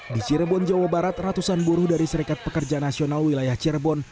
di cirebon jawa barat ratusan buruh dari serikat pekerja nasional wilayah cirebon